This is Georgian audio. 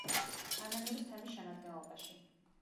ანანურის თემის შემადგენლობაში.